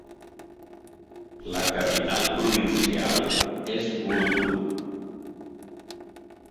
La capital provincial és Burdur.